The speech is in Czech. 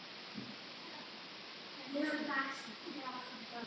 Tímto způsobem se dají snížit nároky na paměť a některé operace se stromem.